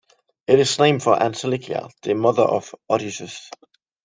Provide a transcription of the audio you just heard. It is named for Anticlea the mother of Odysseus.